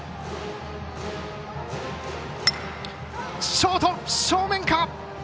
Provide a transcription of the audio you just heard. ショート正面。